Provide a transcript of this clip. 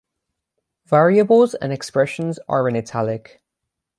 Variables and expressions are in "italic".